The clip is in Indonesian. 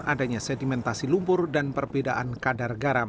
adanya sedimentasi lumpur dan perbedaan kadar garam